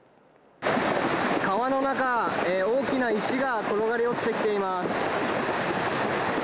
川の中、大きな石が転がり落ちてきています。